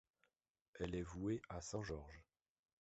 Elle est vouée à saint Georges.